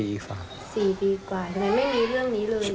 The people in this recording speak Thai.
๔ปีกว่าทำไมไม่มีเรื่องนี้เลย